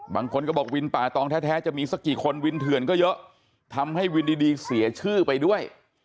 บางคนก็บอกวินป่าตองแท้จะมีสักกี่คนวินเถื่อนก็เยอะทำให้วินดีเสียชื่อไปด้วย